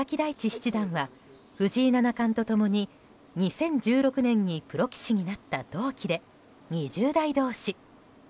七段は藤井七冠と共に２０１６年にプロ棋士になった同期で、２０代同士。